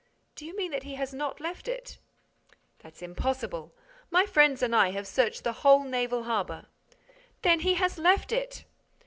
"Do you mean that he has not left it?" "That's impossible! My friends and I have searched the whole naval harbor." "Then he has left it!"